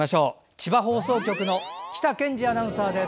千葉放送局の喜多賢治アナウンサーです。